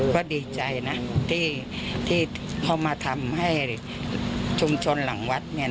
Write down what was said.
ก็ดีใจนะที่เขามาทำให้ชุมชนหลังวัด